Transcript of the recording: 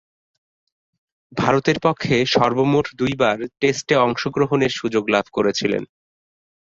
ভারতের পক্ষে সর্বমোট দুইবার টেস্টে অংশগ্রহণের সুযোগ লাভ করেছিলেন।